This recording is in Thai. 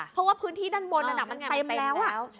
เพราะว่าพื้นที่ด้านบนนั้นมันเต็มแล้ว